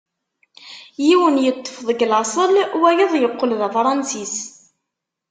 Yiwen yeṭṭef deg laṣel, wayeḍ yeqqel d Afransis.